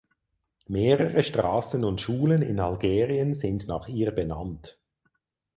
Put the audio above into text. Mehrere Straßen und Schulen in Algerien sind nach ihr benannt.